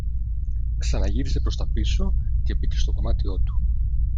Ξαναγύρισε προς τα πίσω και μπήκε στο δωμάτιό του